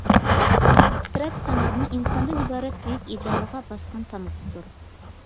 پىترەت تەڭرىنىڭ ئىنساندىن ئىبارەت بۈيۈك ئىجادىغا باسقان تامغىسىدۇر.